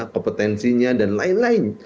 kompetensinya dan lain lain